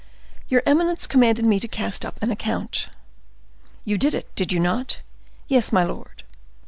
"Your eminence commanded me to cast up an account." "You did it, did you not?" "Yes, my lord."